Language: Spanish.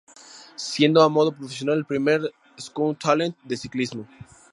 Siendo a modo profesional, el primer "Scouting Talent" de ciclismo.